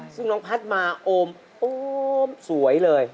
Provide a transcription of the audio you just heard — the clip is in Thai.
ซึ่งน้องพัฒน์มาโอมโอมสวยเลย